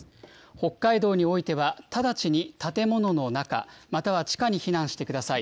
北海道においては、直ちに建物の中、または地下に避難してください。